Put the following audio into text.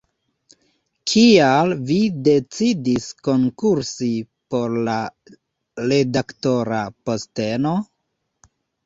Kial vi decidis konkursi por la redaktora posteno?